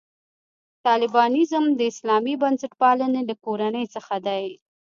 طالبانیزم د اسلامي بنسټپالنې له کورنۍ څخه دی.